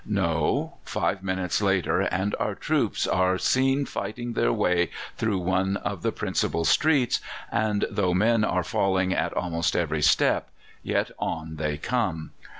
No. Five minutes later, and our troops are seen fighting their way through one of the principal streets, and though men are falling at almost every step, yet on they come.